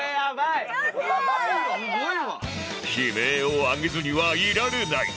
悲鳴を上げずにはいられない